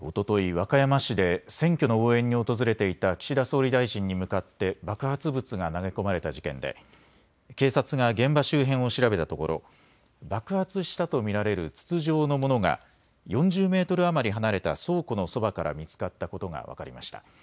和歌山市で選挙の応援に訪れていた岸田総理大臣に向かって爆発物が投げ込まれた事件で警察が現場周辺を調べたところ爆発したと見られる筒状のものが４０メートル余り離れた倉庫のそばから見つかったことが分かりました。